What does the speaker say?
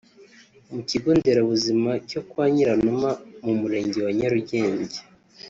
Ku kigo Nderabuzima cyo Kwa Nyiranuma mu murenge wa Nyarugenge